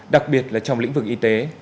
đặc biệt là trong lĩnh vực y tế